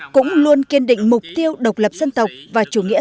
cũng luôn kiên định mục tiêu độc lập dân tộc và chủ nghĩa